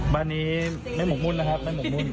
บ้านนี้ไม่หกมุ่นนะครับไม่หมกมุ่น